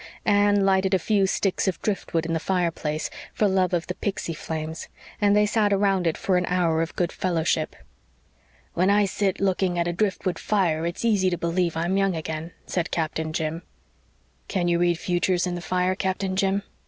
Anne lighted a few sticks of driftwood in the fireplace, for love of the pixy flames, and they sat around it for an hour of good fellowship. "When I sit looking at a driftwood fire it's easy to believe I'm young again," said Captain Jim. "Can you read futures in the fire, Captain Jim?"